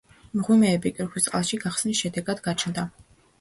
მღვიმეები კირქვის წყალში გახსნის შედეგად გაჩნდა.